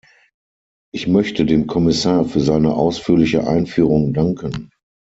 Ich möchte dem Kommissar für seine ausführliche Einführung danken.